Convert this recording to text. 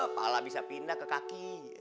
pala bisa pindah ke kaki